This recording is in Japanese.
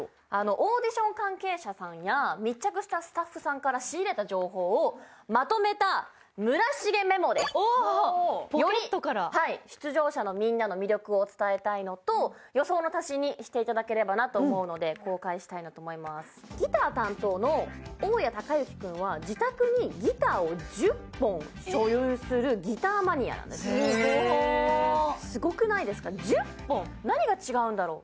オーディション関係者さんや密着したスタッフさんから仕入れた情報をまとめた村重メモですより出場者のみんなの魅力を伝えたいのと予想の足しにしていただければなと思うので公開したいなと思いますギター担当の大矢孝之君は自宅にギターを１０本所有するギターマニアなんですすごっすごくないですか１０本何が違うんだろう？